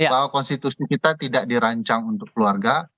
bahwa konstitusi kita tidak dirancang untuk keluarga